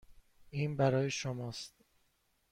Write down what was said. این برای شماست.